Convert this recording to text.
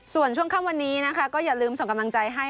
ส่วนช่วงค่ำวันนี้นะคะก็อย่าลืมส่งกำลังใจให้